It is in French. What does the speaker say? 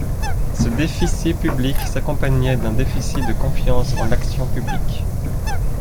Ce déficit public s’accompagnait d’un déficit de confiance en l’action publique.